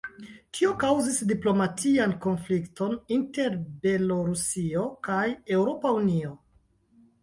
Tio kaŭzis diplomatian konflikton inter Belorusio kaj Eŭropa Unio.